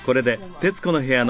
『徹子の部屋』は